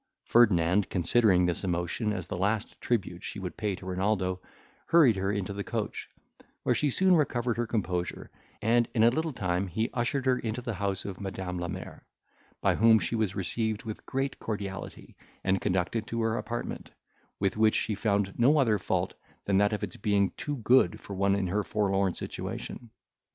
Ferdinand, considering this emotion as the last tribute she would pay to Renaldo, hurried her into the coach, where she soon recovered her composure; and in a little time he ushered her into the house of Madam la Mer, by whom she was received with great cordiality, and conducted to her apartment, with which she found no other fault than that of its being too good for one in her forlorn situation.